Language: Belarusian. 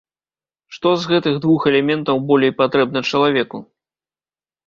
Што з гэтых двух элементаў болей патрэбна чалавеку?